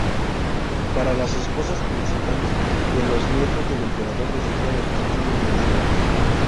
Para las esposas principales de los nietos del Emperador recibían el título de "Dama".